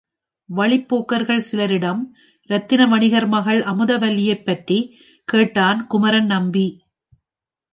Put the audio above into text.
வழிப்போக்கர்கள் சிலரிடம் இரத்தின வணிகர் மகள் அமுதவல்லியைப் பற்றிக் கேட்டான் குமரன்நம்பி.